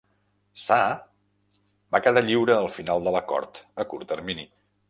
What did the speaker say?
Saha va quedar lliure al final de l'acord a curt termini.